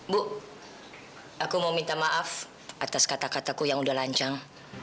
bu aku mau minta maaf atas kata kataku yang udah lancar